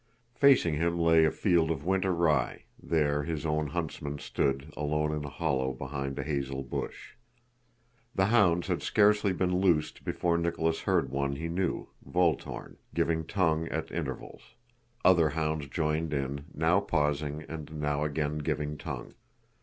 Facing him lay a field of winter rye, there his own huntsman stood alone in a hollow behind a hazel bush. The hounds had scarcely been loosed before Nicholas heard one he knew, Voltórn, giving tongue at intervals; other hounds joined in, now pausing and now again giving tongue.